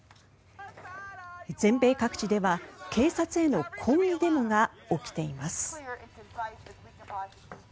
全米各地では警察への抗議デモが起きています。